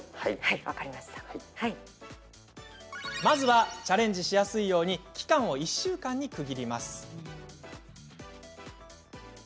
まずはチャレンジしやすいように期間を１週間に区切ります。